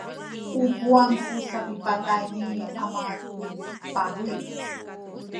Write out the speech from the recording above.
u kuwang ku sapipatay ni ama tu pabuy.